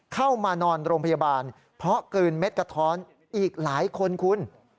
เข้ามานอนโรงพยาบาลเพราะกลืนเม็ดกระท้อนอีกหลายคนคุณ